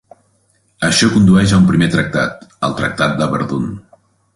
Això condueix a un primer tractat, el Tractat de Verdun.